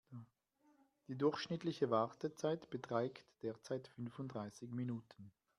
Die durchschnittliche Wartezeit beträgt derzeit fünfunddreißig Minuten.